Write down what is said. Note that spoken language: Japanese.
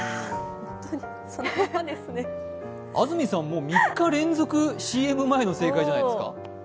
安住さん、３日連続ＣＭ前の正解じゃないですか？